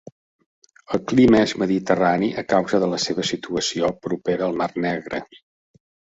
El clima és mediterrani a causa de la seva situació, propera al mar Negre.